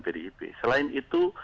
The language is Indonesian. pdip selain itu